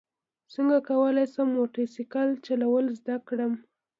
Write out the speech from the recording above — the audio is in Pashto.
څنګه کولی شم موټر سایکل چلول زده کړم